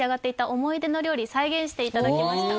思い出の料理再現していただきましたうわ